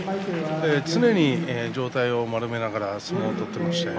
常に上体を丸めながら相撲を取っていました。